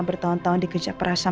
bertahun tahun dikejar perasaan